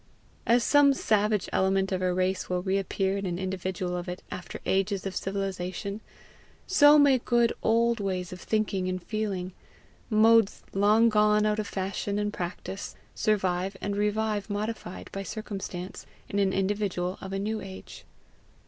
As some savage element of a race will reappear in an individual of it after ages of civilization, so may good old ways of thinking and feeling, modes long gone out of fashion and practice, survive and revive modified by circumstance, in an individual of a new age.